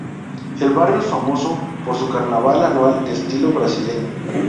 El barrio es famoso por su carnaval anual de estilo brasileño.